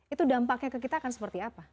itu dampaknya ke kita akan seperti apa